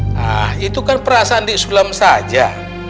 nah itu kan perasaan di sulam saja